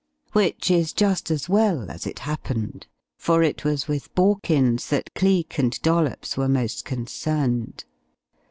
Which is just as well, as it happened, for it was with Borkins that Cleek and Dollops were most concerned.